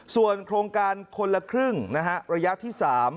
ส่วนโครงการคนละครึ่งระยะที่๓